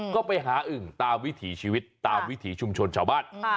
ก็ไปหาอึ่งตามวิถีชีวิตตามวิถีชุมชนชาวบ้าน